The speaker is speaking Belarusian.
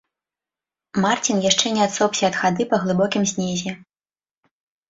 Марцін яшчэ не адсопся ад хады па глыбокім снезе.